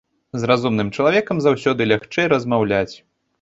З разумным чалавекам заўсёды лягчэй размаўляць.